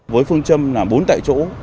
với phương châm là bốn tại chỗ